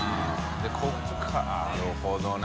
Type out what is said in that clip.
ここからなるほどね。